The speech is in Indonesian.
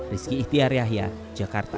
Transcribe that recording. rizky ihtiyar yahya jakarta